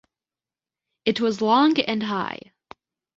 It was long and high.